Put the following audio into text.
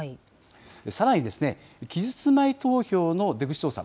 さらに、期日前投票の出口調査。